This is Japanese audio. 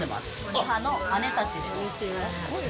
母の姉たちです。